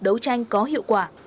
đấu tranh có hiệu quả